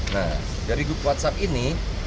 nah dari grup whatsapp ini